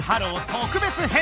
特別編！